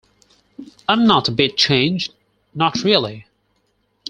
I’m not a bit changed — not really.